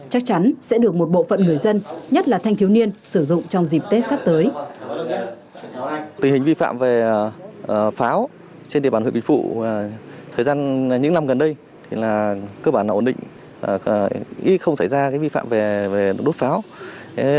chắc chắn sẽ được một bộ phận người dân nhất là thanh thiếu niên sử dụng trong dịp tết sắp tới